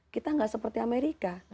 kita gak seperti amerika